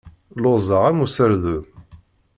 Lluẓeɣ am userdun.